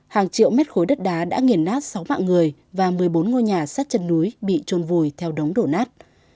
hàng triệu mét khối đất đá đã nghiền nát sáu mạng người và một mươi bốn ngôi nhà sát chân núi bị trôn vùi theo đống đổ nát